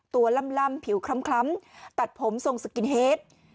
ล่ำผิวคล้ำตัดผมทรงสกินเฮด